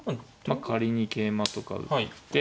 仮に桂馬とか打って。